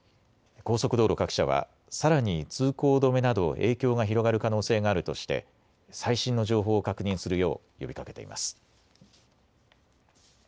高速道路各社はさらに通行止めなど影響が広がる可能性があるとして最新の情報を確認するよう呼びかけています。